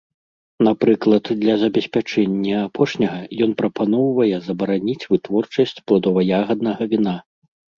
Напрыклад, для забеспячэння апошняга ён прапаноўвае забараніць вытворчасць пладова-ягаднага віна.